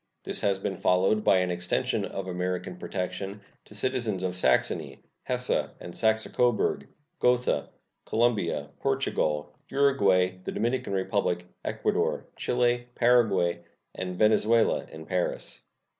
This has been followed by an extension of American protection to citizens of Saxony, Hesse and Saxe Coburg, Gotha, Colombia, Portugal, Uruguay, the Dominican Republic, Ecuador, Chile, Paraguay, and Venezuela in Paris.